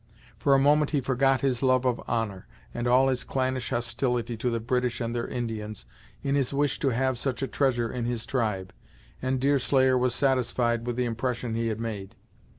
For a moment he forgot his love of honor, and all his clannish hostility to the British and their Indians, in his wish to have such a treasure in his tribe, and Deerslayer was satisfied with the impression he had made.